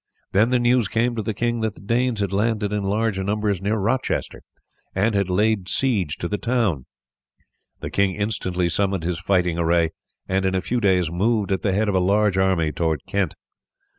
Then the news came to the king that the Danes had landed in large numbers near Rochester and had laid siege to the town. The king instantly summoned his fighting array, and in a few days moved at the head of a large army towards Kent.